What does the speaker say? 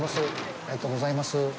ありがとうございます。